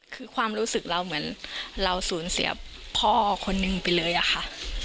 คือความรู้สึกเราเหมือนเราสูญเสียพ่อคนนึงไปเลยอะค่ะ